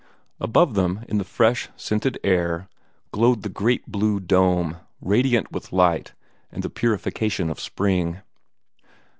Above them, in the fresh, scented air, glowed the great blue dome, radiant with light and the purification of spring.